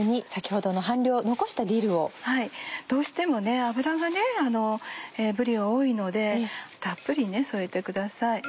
どうしても脂がぶりは多いのでたっぷり添えてください。